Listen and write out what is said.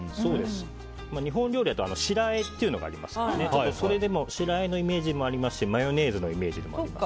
日本料理だと白あえというのがありますがそのイメージもありますしマヨネーズのイメージでもありますね。